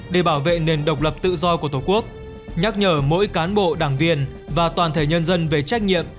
để bảo vệ nền độc lập tự do của tổ quốc nhắc nhở mỗi cán bộ đảng viên và toàn thể nhân dân về trách nhiệm